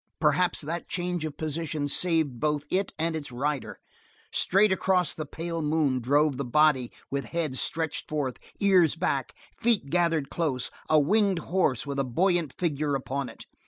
Perhaps that change of position saved both it and its rider. Straight across the pale moon drove the body with head stretched forth, ears back, feet gathered close a winged horse with a buoyant figure upon it.